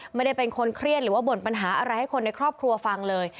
ไม่ได้เป็นคนเครียดหรือว่าบ่นปัญหาอะไรให้คนในครอบครัวฟังเลย